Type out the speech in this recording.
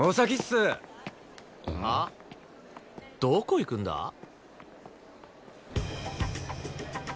どこ行くんだ？